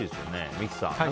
三木さん